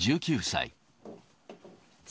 １９歳。